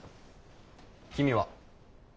君は？